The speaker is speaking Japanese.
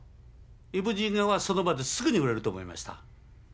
「イムジン河」はその場ですぐに売れると思いました。